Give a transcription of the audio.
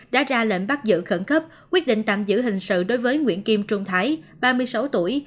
đã ra lệnh bắt giữ khẩn cấp quyết định tạm giữ hình sự đối với nguyễn kim trung thái ba mươi sáu tuổi